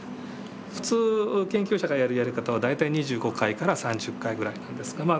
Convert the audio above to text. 普通研究者がやるやり方は大体２５回から３０回ぐらいなんですがまあ